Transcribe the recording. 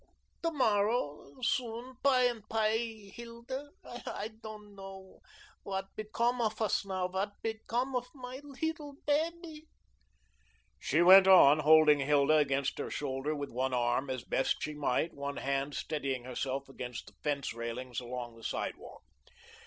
"To morrow soon py and py, Hilda. I doand know what pecome oaf us now, what pecome oaf my leedle babby." She went on, holding Hilda against her shoulder with one arm as best she might, one hand steadying herself against the fence railings along the sidewalk.